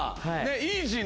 イージーな。